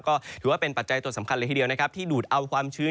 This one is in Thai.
ก็ถือว่าเป็นปัจจัยตัวสำคัญเลยทีเดียวนะครับที่ดูดเอาความชื้น